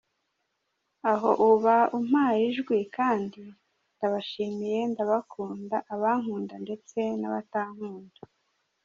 Aho uba umpaye ijwi kandi ndabashimiye, ndabakunda abankunda ndetse n’abatankunda.